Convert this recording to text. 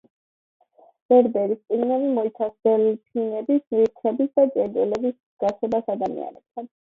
ვერბერის წიგნები მოიცავს დელფინების, ვირთხების და ჭიანჭველების მსგავსებას ადამიანებთან.